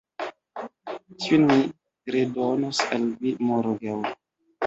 Tion mi redonos al vi morgaŭ